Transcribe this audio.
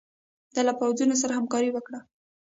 ده له پوځونو سره همکاري وکړي.